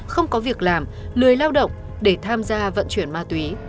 không có việc làm lười lao động để tham gia vận chuyển ma túy